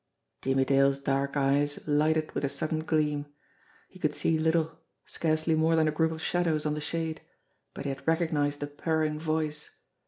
Jimmie Dale's dark eyes lighted with a sudden gleam. He could see little, scarcely more than a group of shadows on the shade, but he had recognised the purring voice.